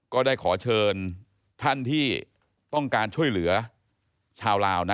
ก็ได้ขอเชิญท่านที่ต้องการช่วยเหลือชาวลาวนะ